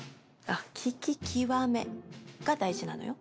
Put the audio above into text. あっ聞き極めが大事なのよ。